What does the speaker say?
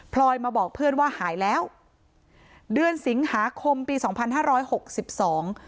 ลอยมาบอกเพื่อนว่าหายแล้วเดือนสิงหาคมปีสองพันห้าร้อยหกสิบสอง